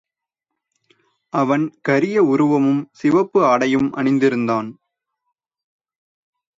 அவன் கரிய உருவமும் சிவப்பு ஆடையும் அணிந்திருந்தான்.